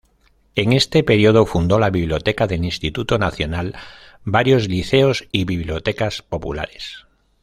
En este periodo fundó la biblioteca del Instituto Nacional, varios liceos y bibliotecas populares.